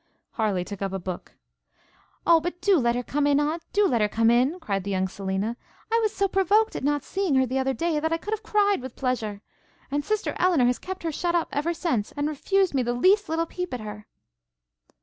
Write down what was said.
Harleigh took up a book. 'O, but do let her come in, Aunt, do let her come in!' cried the young Selina. 'I was so provoked at not seeing her the other day, that I could have cried with pleasure! and sister Elinor has kept her shut up ever since, and refused me the least little peep at her.'